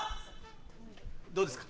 どうですか？